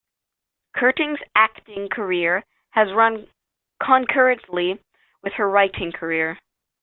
Curtin's acting career has run concurrently with her writing career.